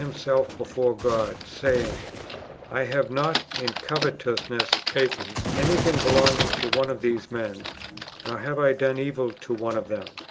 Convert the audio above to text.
himself before God, saying, "I have not in covetousness taken anything belonging to one of these men, nor have I done evil to one of them."